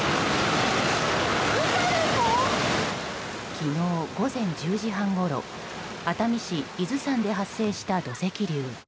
昨日午前１０時半ごろ熱海市伊豆山で発生した土石流。